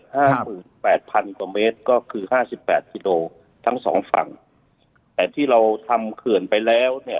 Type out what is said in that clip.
ห้าหมื่นแปดพันกว่าเมตรก็คือห้าสิบแปดกิโลทั้งสองฝั่งแต่ที่เราทำเขื่อนไปแล้วเนี่ย